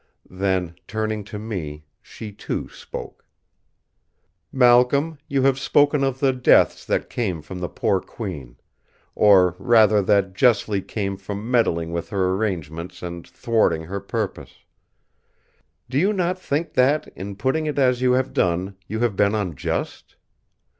Then, turning to me, she too spoke: "Malcolm, you have spoken of the deaths that came from the poor Queen; or rather that justly came from meddling with her arrangements and thwarting her purpose. Do you not think that, in putting it as you have done, you have been unjust?